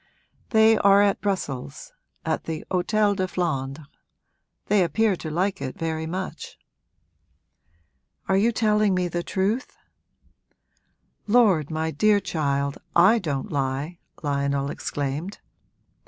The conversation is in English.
'They are at Brussels, at the Hôtel de Flandres. They appear to like it very much.' 'Are you telling me the truth?' 'Lord, my dear child, I don't lie!' Lionel exclaimed.